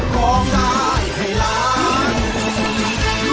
คนตายใจดี